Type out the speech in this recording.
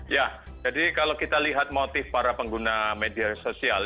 ya jadi kalau kita lihat motif para pengguna media sosial